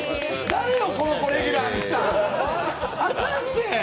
誰よ、この子レギュラーにしたの？